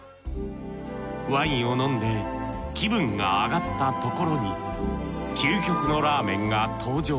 ワインを飲んで気分が上がったところに究極のラーメンが登場。